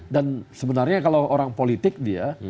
dan sebenarnya kalau orang politik dia